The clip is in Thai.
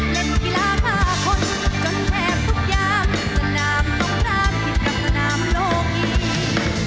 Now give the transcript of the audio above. เล่นกีฬา๕คนจนแทบทุกอย่างสนามลงรักผิดกับสนามโลกนี้